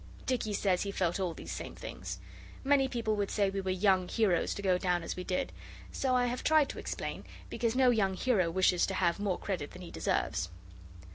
Dicky says he felt all these same things. Many people would say we were young heroes to go down as we did; so I have tried to explain, because no young hero wishes to have more credit than he deserves.